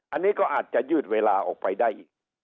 อันนี้ก็อาจจะยืดเวลาออกไปได้อีก